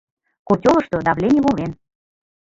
Котёлышто давлений волен.